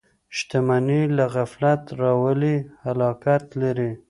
• شتمني که غفلت راولي، هلاکت لري.